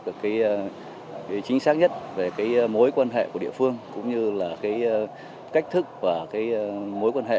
được cái chính xác nhất về cái mối quan hệ của địa phương cũng như là cái cách thức và cái mối quan hệ